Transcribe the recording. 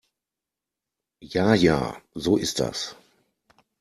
Ja ja, so ist das.